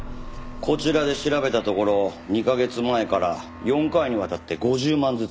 こちらで調べたところ２カ月前から４回にわたって５０万ずつ。